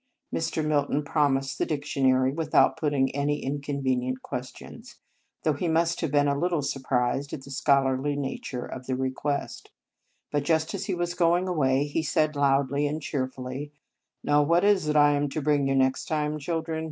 9 In Our Convent Days Mr. Milton promised the dictionary, without putting any inconvenient questions, though he must have been a little surprised at the scholarly na ture of the request; but just as he was going away, he said loudly and cheerfully: " Now what is it I am to bring you next time, children?